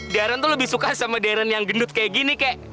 daren tuh lebih suka sama deren yang gendut kayak gini kek